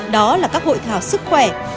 đó là các hội thảo sức khỏe